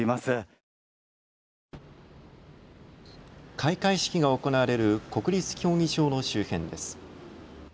開会式が行われる国立競技場の周辺です。